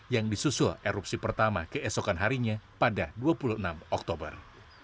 yang disusul erupsi pertama keesokan harinya pada dua puluh enam oktober